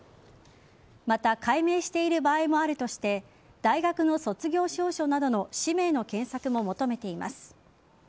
また改名している場合もあるとして大学の卒業証書などの氏名の検索も求めています。